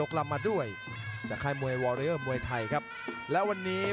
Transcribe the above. กินอันดีคอมว่าแพทพูน์